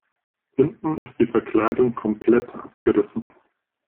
Hinten ist die Verkleidung komplett abgerissen.